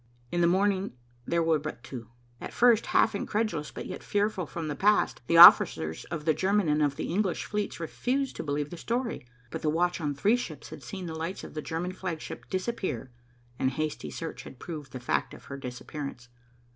In the morning there were but two. At first, half incredulous but yet fearful from the past, the officers of the German and of the English fleets refused to believe the story, but the watch on three ships had seen the lights of the German flagship disappear, and hasty search had proved the fact of her disappearance.